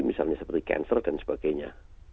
misalnya seperti cancer dan sebagainya